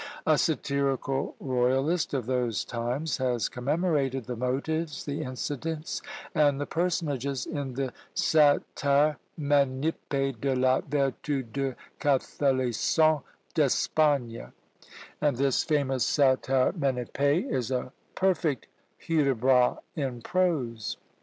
A satirical royalist of those times has commemorated the motives, the incidents, and the personages in the "Satire Ménippée de la Vertu du Catholicon d'Espagne;" and this famous "Satire Ménippée" is a perfect Hudibras in prose!